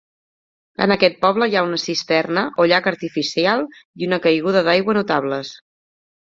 En aquest poble hi ha una cisterna o llac artificial i una caiguda d'aigua notables.